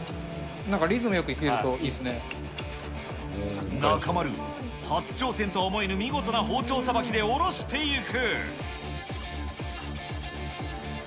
なんかリズムよくいけるとい中丸、初挑戦とは思えぬ、見事な包丁さばきで、おろしてゆく。